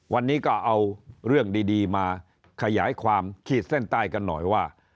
วันนี้ก็เอาเรื่องดีมาขยายความขีดเส้นใต้กันหน่อยว่า